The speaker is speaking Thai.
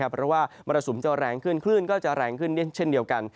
เพราะว่ามรสุมจะแรงขึ้นคลื่นก็จะแรงขึ้นเช่นเดียวกัน